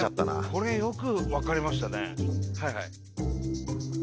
これよく分かりましたね。